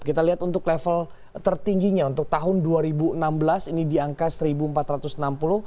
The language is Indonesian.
kita lihat untuk level tertingginya untuk tahun dua ribu enam belas ini di angka rp satu empat ratus enam puluh